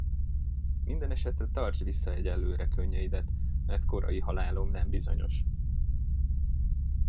Mindenesetre tartsd vissza egyelőre könnyeidet, mert korai halálom nem bizonyos!